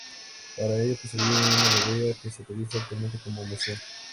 Para ello construyeron una bodega, que se utiliza actualmente como museo.